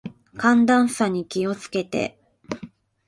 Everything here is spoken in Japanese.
寒暖差に気を付けて。